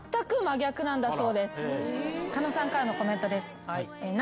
狩野さんからのコメントです。